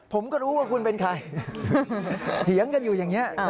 ผมก็รู้ว่าคุณเป็นใครเถียงกันอยู่อย่างนี้